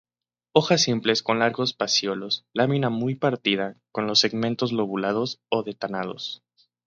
Hojas simples, con largos pecíolos, lámina muy partida, con los segmentos lobulados o dentados.